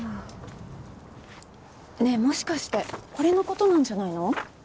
ねえもしかしてこれの事なんじゃないの？